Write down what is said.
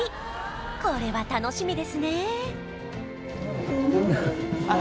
これは楽しみですね